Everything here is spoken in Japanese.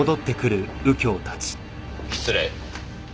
失礼。